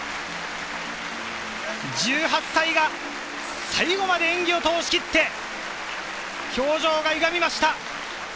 １８歳が最後まで演技を通し切って、表情がゆがみました。